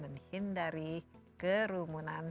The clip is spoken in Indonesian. dan hindari kerumunan